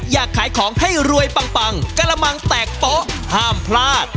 อยากขายของให้รวยปังกระมังแตกโป๊ะห้ามพลาด